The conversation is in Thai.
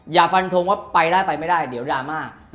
อย่าฟันทงว่าไปได้ไปไม่ได้เดี๋ยวดราม่า